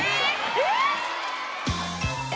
えっ？